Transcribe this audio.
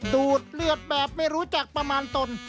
ดูดเลือดแบบไม่รู้จักประมาณตน